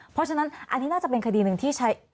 เพราะฉะนั้นอันนี้น่าจะเป็นคดีหนึ่งที่ใช้